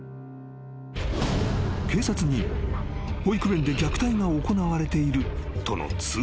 ［警察に保育園で虐待が行われているとの通報が舞い込む］